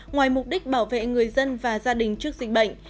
ngoài mục đích bảo vệ người dân và gia đình trước dịch bệnh